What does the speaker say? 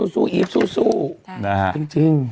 สู้อีฟสู้จริง